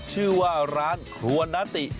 ชื่อว่าร้านครัวนาติ